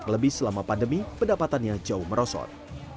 lebih selama pandemi pendapatannya jauh merosot